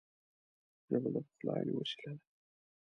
ژبه د پخلاینې وسیله ده